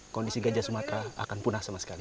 kondisi gajah sumatera akan punah sama sekali